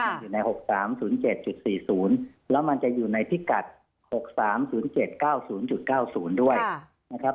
มันอยู่ใน๖๓๐๗๔๐แล้วมันจะอยู่ในพิกัด๖๓๐๗๙๐๙๐ด้วยนะครับ